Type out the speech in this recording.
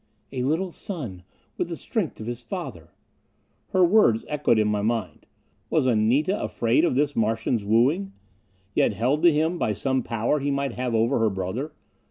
"A little son with the strength of his father...." Her words echoed in my mind. Was Anita afraid of this Martian's wooing? Yet held to him by some power he might have over her brother?